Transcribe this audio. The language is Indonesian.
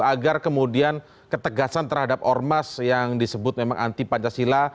agar kemudian ketegasan terhadap ormas yang disebut memang anti pancasila